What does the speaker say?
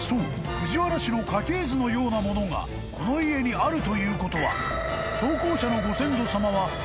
藤原氏の家系図のようなものがこの家にあるということは投稿者の］